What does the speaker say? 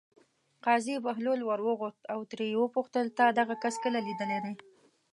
قاضي بهلول ور وغوښت او ترې ویې پوښتل: تا دغه کس کله لیدلی دی.